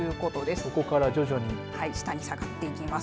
ここから徐々に下に下がっていきます。